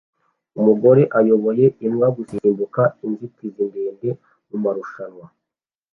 Umugore ayoboye imbwa gusimbuka inzitizi ndende mumarushanwa